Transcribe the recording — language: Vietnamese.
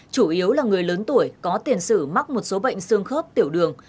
chủ yếu là người lớn tuổi có tiền sử mắc một số bệnh xương khớp tiểu đường